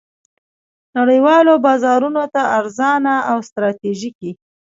نړیوالو بازارونو ته ارزانه او ستراتیژیکې